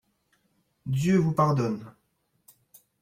Dieu vous pardonne.